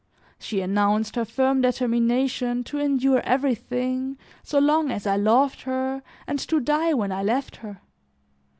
She announced her firm determination to endure everything, so long as I loved her and to die when I left her.